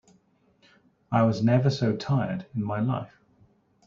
I was never so tired in my life.